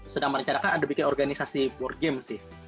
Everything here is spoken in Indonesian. sedang merencanakan ada bikin organisasi board game sih